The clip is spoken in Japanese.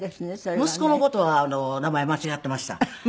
息子の事は名前間違っていました。